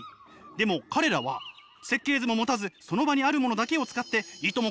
でも彼らは設計図も持たずその場にあるものだけを使っていとも